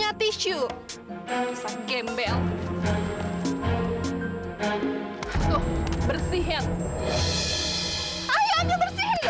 ih kak mesya aku maaf